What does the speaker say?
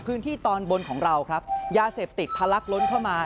พื้นที่ตอนบนของเราครับยาเสพติดทะลักล้นเข้ามา